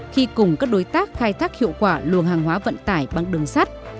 khi cùng các đối tác khai thác hiệu quả luồng hàng hóa vận tải bằng đường sắt